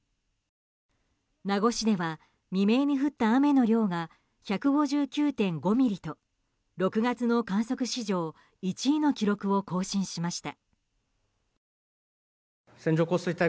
名護市では未明に降った雨の量が１５９．５ミリと６月の観測史上１位の記録を更新しました。